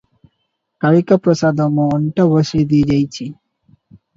କାଳିକାପ୍ରସାଦ ମୋ ଅଣ୍ଟା ବସେଇ ଦେଇ ଯାଇଛି ।